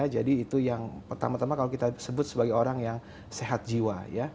jadi itu yang pertama tama kalau kita sebut sebagai orang yang sehat jiwa